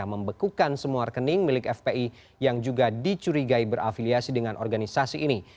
membekukan semua rekening milik fpi yang juga dicurigai berafiliasi dengan organisasi ini